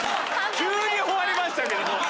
急に終わりましたけども。